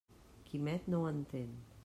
Quimet no ho entén.